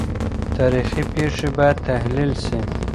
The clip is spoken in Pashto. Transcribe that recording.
تاريخي پېښې بايد تحليل سي.